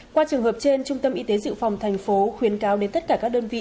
qua trường hợp trên trung tâm y tế dự phòng thành phố khuyến cáo đến tất cả các đơn vị